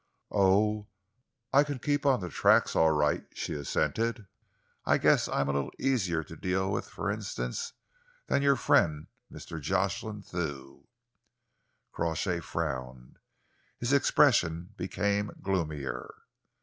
"Oh, I can keep on the tracks all right," she assented. "I guess I am a little easier to deal with, for instance, than your friend Mr. Jocelyn Thew." Crawshay frowned. His expression became gloomier.